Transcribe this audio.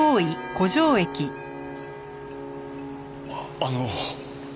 あっあの。